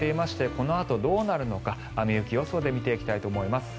このあとどうなるのか雨・雪予想で見ていきたいと思います。